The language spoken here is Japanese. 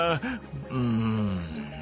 うん。